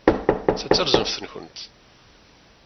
Ta d tarzeft-nkent.